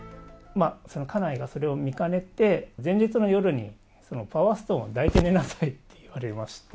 家内がそれを見かねて、前日の夜にパワーストーンを抱いて寝なさいと言われまして。